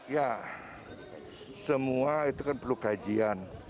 ya semua itu kan perlu kajian